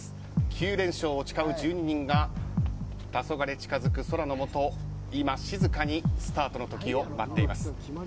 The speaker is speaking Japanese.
９連勝を誓う１２人が黄昏近づく空のもと今、静かにスタートの時を待っています。